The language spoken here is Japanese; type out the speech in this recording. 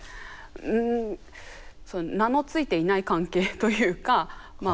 うん名の付いていない関係というかまあ